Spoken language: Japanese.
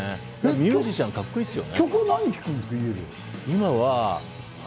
ミュージシャン、カッコいいっすよね。